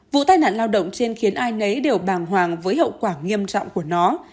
vụ tai nạn lao động trên khiến ai nấy đều bàng hoàng với hậu quả nghiêm trọng của nó